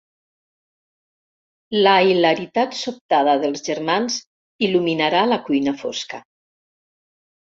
La hilaritat sobtada dels germans il·luminarà la cuina fosca.